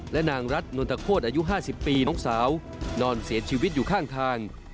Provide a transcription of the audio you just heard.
และนางรัฐนนทโคตรอายุ๕๐ปีน้องสาวนอนเสียชีวิตอยู่ข้างทาง